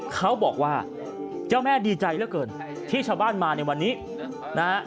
เขาบอกว่าเจ้าแม่ดีใจเหลือเกินที่ชาวบ้านมาในวันนี้นะฮะ